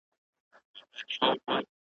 ما ځکه ویلي دي چي منظور پښتین .